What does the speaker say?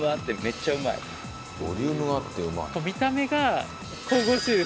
ボリュームがあってうまい？